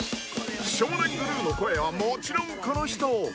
［少年グルーの声はもちろんこの人］